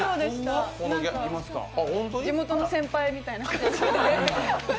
地元の先輩みたいな感じで。